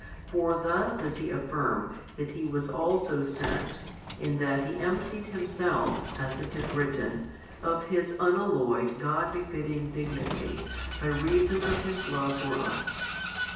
For thus does He affirm that He was also sent, in that He emptied Himself, as it is written, of His unalloyed God befitting Dignity by reason of His Love for us.